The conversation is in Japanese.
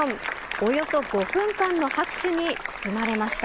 およそ５分間の拍手に包まれました。